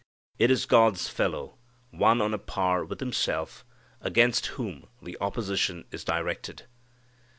It is God's Fellow one on a par with Himself against whom the opposition is directed.